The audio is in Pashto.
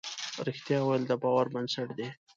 رښتیا ویل د باور بنسټ دی.